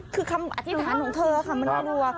คือคำอธิษฐานของเธอค่ะมันไม่กลัว